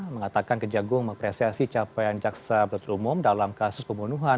mengatakan kejagung mengapresiasi capaian jaksa penutup umum dalam kasus pembunuhan